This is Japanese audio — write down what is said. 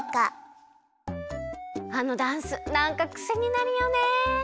あのダンスなんかクセになるよね。